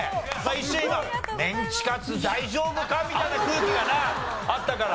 一瞬今「メンチカツ大丈夫か？」みたいな空気がなあったから。